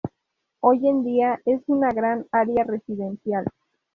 Hoy en día es una gran área residencial.